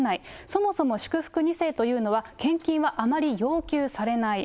そもそも祝福２世というのは、献金はあまり要求されない。